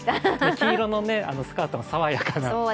黄色のスカートが爽やかな。